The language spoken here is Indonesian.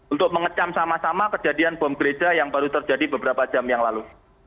untuk mengecam sama sama kejadian bom gereja yang baru terjadi beberapa jam yang lalu